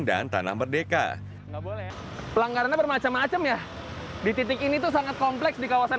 dan tanah merdeka pelanggaran bermacam macam ya di titik ini tuh sangat kompleks di kawasan